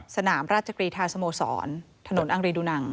สนามราชกรีธาสโมสรถนนอังรีดูนัง